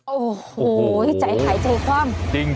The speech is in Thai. โอ้โหใจไข่ใจความ